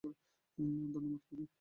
ধন্যবাদ, খুকী।